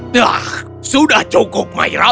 dah sudah cukup maira